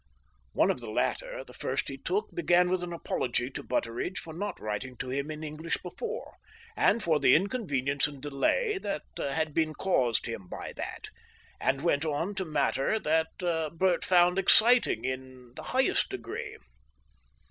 One of the latter, the first he took, began with an apology to Butteridge for not writing to him in English before, and for the inconvenience and delay that had been caused him by that, and went on to matter that Bert found exciting in, the highest degree.